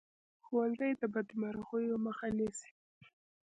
ښوونځی د بدمرغیو مخه نیسي